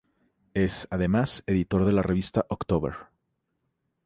Es, además, editor de la revista October.